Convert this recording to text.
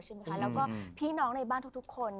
แล้วก็พี่น้องในบ้านทุกคน